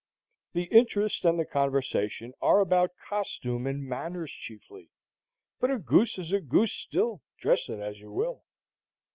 The interest and the conversation are about costume and manners chiefly; but a goose is a goose still, dress it as you will.